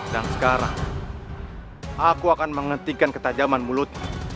dan sekarang aku akan menghentikan ketajaman mulutmu